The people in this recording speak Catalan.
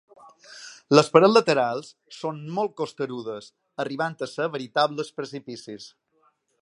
Les parets laterals són molt costerudes arribant a ser veritables precipicis.